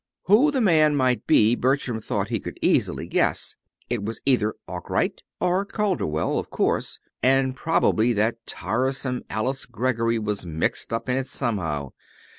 Who the man might be Bertram thought he could easily guess. It was either Arkwright or Calderwell, of course; and probably that tiresome Alice Greggory was mixed up in it somehow.